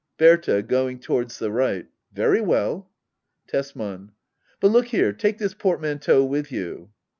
Berta. [Going towards the right,] Very well. Tesman. But look here — take this portmanteau with you.